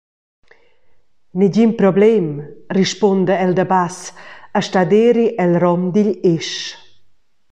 «Negin problem», rispunda el da bass e stat eri el rom digl esch.